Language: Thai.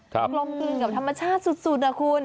กลมกลืนกับธรรมชาติสุดนะคุณ